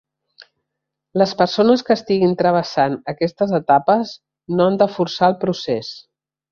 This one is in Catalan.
Les persones que estiguin travessant aquestes etapes no han de forçar el procés.